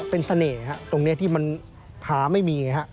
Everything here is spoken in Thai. เป็นเสน่ห์ครับตรงนี้ที่มันหาไม่มี